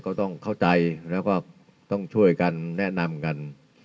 ก็ต้องเข้าใจแล้วก็ต้องช่วยกันแนะนำกัน